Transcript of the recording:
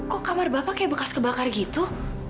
kok kamar bapak kayak bekas kebakar gitu